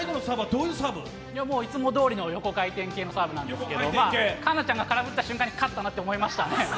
いつもどおりの横回転系のサーブなんですけど環奈ちゃんが空振った瞬間に勝ったなと思いましたね。